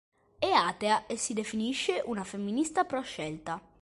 È atea e si definisce una femminista pro-scelta.